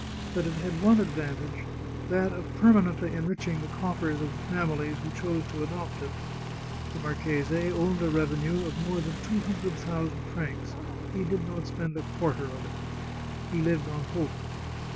But it had one advantage, that of permanently en riching the coffers of the families who chose to adopt it. The marchese owned a revenue of more than two hundred thousand francs ; he did not spend a quarter of it. He lived on hope.